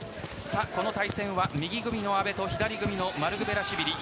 この対戦は、右組みの阿部と左組みのマルクベラシュビリ。